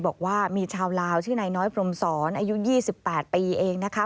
บอกว่ามีชาวลาวชื่อนายน้อยพรมศรอายุ๒๘ปีเองนะคะ